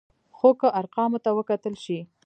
خو که ارقامو ته وکتل شي،